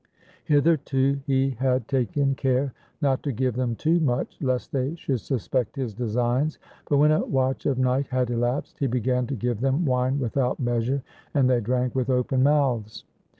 Hitherto he had taken care not to give them too much lest they should suspect his designs ; but, when a watch of night had elapsed, he began to give them wine without measure, and they drank with open mouths.